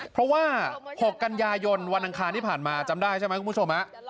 เพราะว่า๖กันยายนวันอังคารที่ผ่านมาจำได้ใช่ไหมคุณผู้ชม